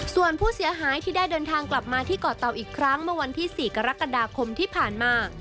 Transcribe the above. ส่วนผู้เสียหายที่ได้เดินทางกลับมาที่เกาะเตาอีกครั้งเมื่อวันที่๔กรกฎาคมที่ผ่านมา